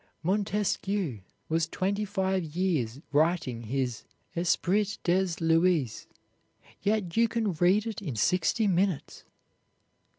Montesquieu was twenty five years writing his "Esprit des Lois," yet you can read it in sixty minutes.